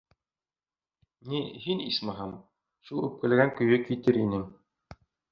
— Ни, һин, исмаһам, шул үпкәләгән көйө китер инең...